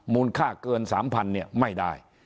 มูลค่าเกินสามพันเนี่ยไม่ได้